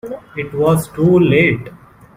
It was too late.